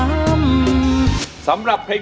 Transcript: ร้องได้ให้ร้าง